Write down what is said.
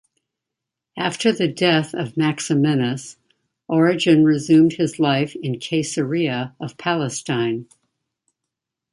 After the death of Maximinus, Origen resumed his life in Caesarea of Palestine.